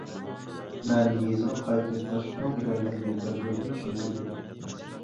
مەن يېزىغا قايتىپ باشلىقنىڭ دېگەنلىرىنى بىر-بىردىن چۈشەندۈردۈم.